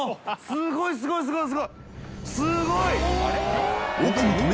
すごいすごいすごい！